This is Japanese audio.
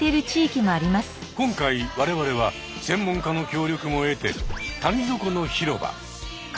今回我々は専門家の協力も得て谷底の広場川ぞいの崖上